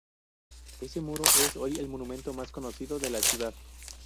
Ese muro es hoy el monumento más conocido de la ciudad.